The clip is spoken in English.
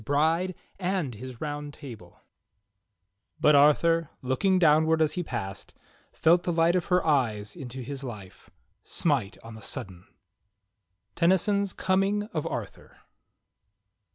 ^ri6e and Hiis ^our 6 I5able "But Arthur, looking downward as he passed, Felt the light of her eyes into his life Smite on the sudden." Tennyson's "Coming of Arthur."